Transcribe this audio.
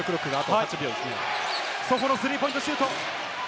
ソホのスリーポイントシュート。